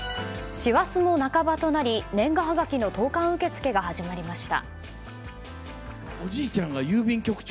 師走も半ばとなり年賀はがきの投函受け付けが始まりました。